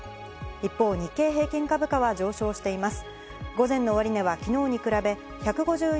一方、日経平均株価は上昇しています。